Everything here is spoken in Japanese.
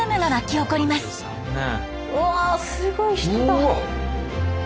うわすごい人だ。